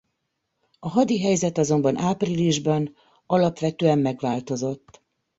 A hadi helyzet azonban áprilisban alapvetően megváltozott.